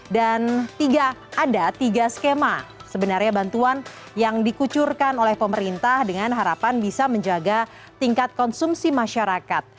dan tiga ada tiga skema sebenarnya bantuan yang dikucurkan oleh pemerintah dengan harapan bisa menjaga tingkat konsumsi masyarakat